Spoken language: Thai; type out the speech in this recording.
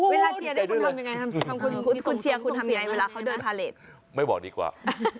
เวลาเชียร์คุณทำยังไงครับ